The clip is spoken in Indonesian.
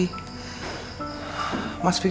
saya juga mimpi bertemu mas fikri